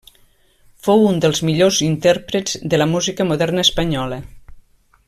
Fou un dels millors intèrprets de la música moderna espanyola.